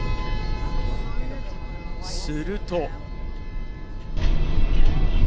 すると。